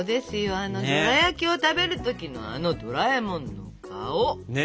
あのドラやきを食べる時のあのドラえもんの顔。ね。